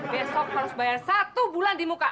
besok harus bayar satu bulan di muka